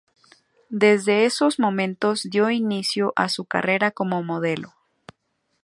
Desde esos momentos dio inicio a su carrera como modelo.